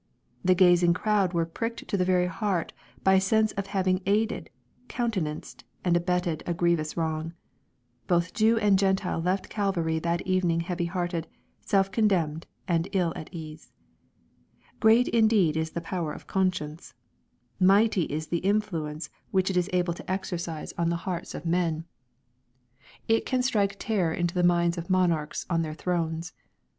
The gazing crowd were pricked to the heart by a sense of having aided, countenanced, and abetted a grievous wrong. Both Jew and Q entile left Calvary that evening heavy hearted, self conderaned, and ill at ease. Great indeed is the power of conscience 1 Mighty ia the influence which it is able to exercise on the hearts o( 21 482 EXPOSITORY THOUGHTS. men I It can strike terror into the minds of mouarchs on their thrones.